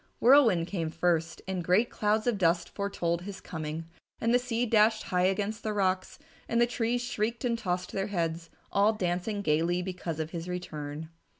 Whirlwind came first and great clouds of dust foretold his coming, and the sea dashed high against the rocks, and the trees shrieked and tossed their heads, all dancing gaily because of his return.